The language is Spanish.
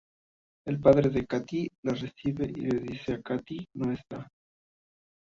El padre de Katie le recibe y le dice que Katie no está.